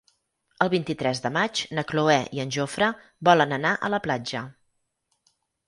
El vint-i-tres de maig na Cloè i en Jofre volen anar a la platja.